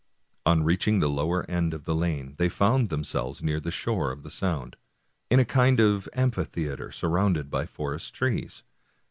On reaching the lower end of the lane they found them selves near the shore of the Sound, in a kind of amphi theater surrounded by forest trees.